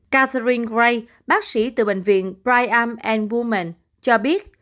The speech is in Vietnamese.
catherine gray bác sĩ từ bệnh viện brian and women cho biết